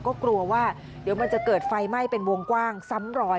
ก็กลัวว่าเดี๋ยวมันจะเกิดไฟไหม้เป็นวงกว้างซ้ำรอย